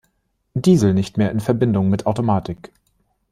Diesel nicht mehr in Verbindung mit Automatik.